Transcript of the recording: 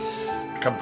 乾杯。